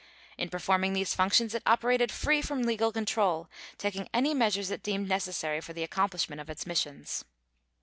In performing these functions it operated free from legal control, taking any measures it deemed necessary for the accomplishment of its missions.